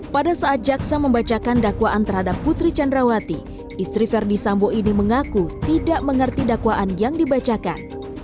pada saat jaksa membacakan dakwaan terhadap putri candrawati istri verdi sambo ini mengaku tidak mengerti dakwaan yang dibacakan